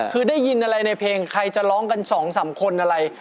คือได้ยินอะไรในเพลงใครจะร้องกันสองสามคนอะไร